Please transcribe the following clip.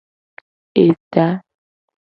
Eta.